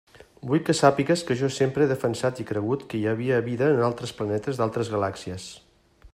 Vull que sàpigues que jo sempre he defensat i cregut que hi havia vida en altres planetes d'altres galàxies.